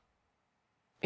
え？